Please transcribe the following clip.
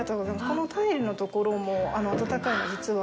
このタイルのところも暖かいの、実は。